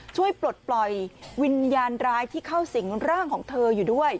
ปลดปล่อยวิญญาณร้ายที่เข้าสิงร่างของเธออยู่ด้วย